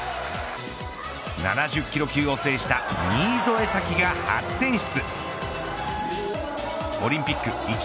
７０キロ級を制した新添左季が初選出。